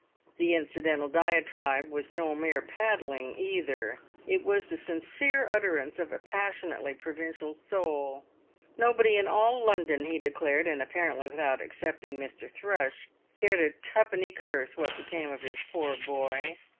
The incidental diatribe was no mere padding, either; it was the sincere utterance of a passionately provincial soul. Nobody in all London, he declared, and apparently without excepting Mr. Thrush, cared a twopenny curse what became of his poor boy.